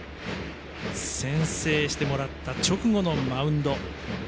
先制してもらった直後のマウンド。